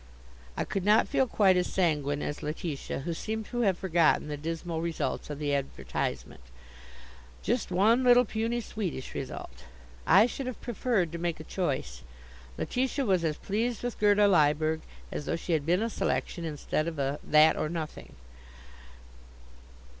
I could not feel quite as sanguine as Letitia, who seemed to have forgotten the dismal results of the advertisement just one little puny Swedish result. I should have preferred to make a choice. Letitia was as pleased with Gerda Lyberg as though she had been a selection instead of a that or nothing.